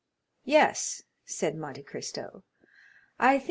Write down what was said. "Yes," said Monte Cristo "I think M.